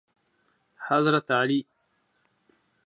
حضرت علی